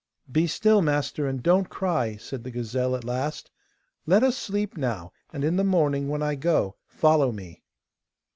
'Be still, master, and don't cry,' said the gazelle at last; 'let us sleep now, and in the morning, when I go, follow me.